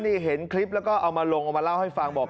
นี่เห็นคลิปแล้วก็เอามาลงเอามาเล่าให้ฟังบอก